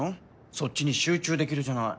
そっちに集中できるじゃない。